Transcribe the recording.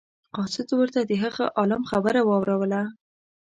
قاصد ورته د هغه عالم خبره واوروله.